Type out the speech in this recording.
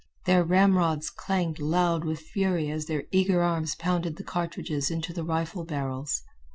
Their ramrods clanged loud with fury as their eager arms pounded the cartridges into the rifle barrels.